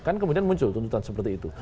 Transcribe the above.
kan kemudian muncul tuntutan seperti itu